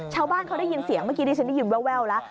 ชาวบ้านเขาได้ยินเสียงเมื่อกี้ที่ฉันได้ยินแววแล้ว